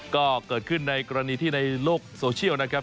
ก็เกิดขึ้นในกรณีที่ในโลกโซเชียลนะครับ